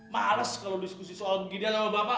males kalau diskusi soal ideal sama bapak